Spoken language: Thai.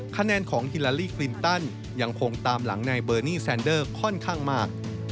คะแนนของฮิลาลีคลินตันยังคงตามหลังนายเบอร์นี่แซนเดอร์ค่อนข้างมาก